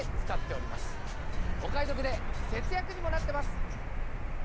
お買い得で、節約にもなってます！